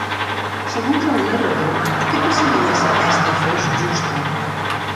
Segons el narrador, què passaria si aquesta fos justa?